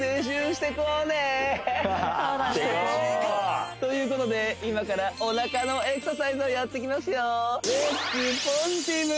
してこうそうだねということで今からおなかのエクササイズをやってきますよポジティブ！